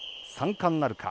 ３冠なるか。